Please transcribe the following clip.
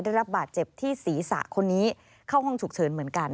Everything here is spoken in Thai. ได้รับบาดเจ็บที่ศีรษะคนนี้เข้าห้องฉุกเฉินเหมือนกัน